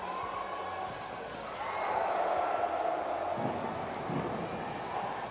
สวัสดีครับทุกคน